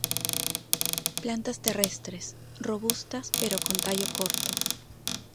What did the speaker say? Plantas terrestres, robustas pero con tallo corto.